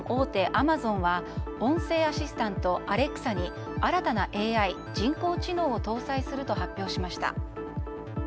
アマゾンは音声アシスタント、アレクサに新たなＡＩ・人工知能を搭載すると発表しました。